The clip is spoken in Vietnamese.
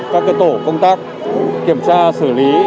các tổ công tác kiểm tra xử lý